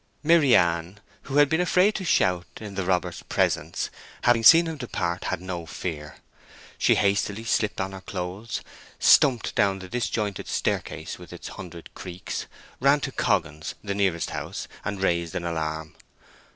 Maryann, who had been afraid to shout in the robber's presence, having seen him depart had no fear. She hastily slipped on her clothes, stumped down the disjointed staircase with its hundred creaks, ran to Coggan's, the nearest house, and raised an alarm.